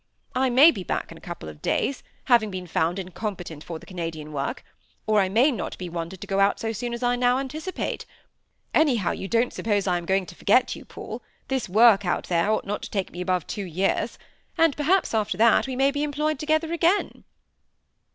"I may be back in a couple of days, having been found in competent for the Canadian work; or I may not be wanted to go out so soon as I now anticipate. Anyhow you don't suppose I am going to forget you, Paul this work out there ought not to take me above two years, and, perhaps, after that, we may be employed together again."